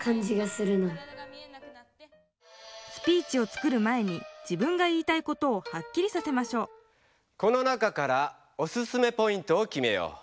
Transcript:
スピーチを作る前に自分が言いたいことをはっきりさせましょうこの中からオススメポイントをきめよう。